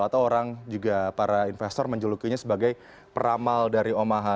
atau orang juga para investor menjulukinya sebagai peramal dari omaha